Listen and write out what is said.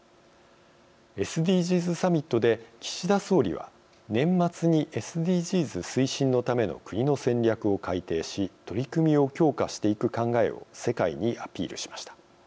ＳＤＧｓサミットで岸田総理は年末にＳＤＧｓ推進のための国の戦略を改定し取り組みを強化していく考えを世界にアピールしました。